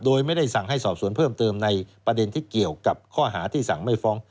โดยไม่ได้สั่งให้สอบสวนเพิ่มเติมในประเด็นที่เกี่ยวกับข้อหาที่สั่งไม่ฟ้อง